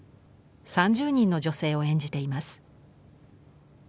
３０人の女性を演じています。